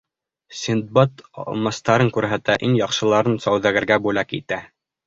Синдбад алмастарын күрһәтә, иң яҡшыларын сауҙагәргә бүләк итә.